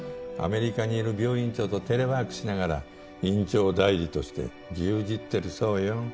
アメリカにいる病院長とテレワークしながら院長代理として牛耳ってるそうよ。